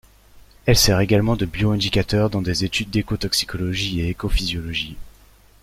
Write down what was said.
Elle sert également de bioindicateur dans des études d'écotoxicologie et d'écophysiologie.